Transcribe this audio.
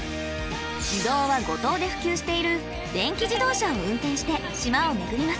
移動は五島で普及している電気自動車を運転して島を巡ります。